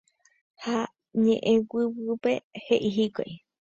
Ha ñe'ẽguyguýpe he'i hikuái.